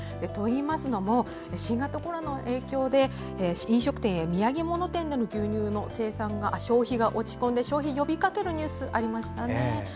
といいますのも新型コロナの影響で飲食店や土産物店での牛乳の消費が落ち込んで消費を呼びかけるニュースがありましたね。